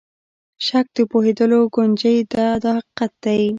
شک د پوهېدلو کونجۍ ده دا حقیقت دی.